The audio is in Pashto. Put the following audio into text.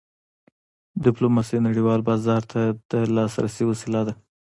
ډیپلوماسي نړیوال بازار ته د لاسرسي وسیله ده.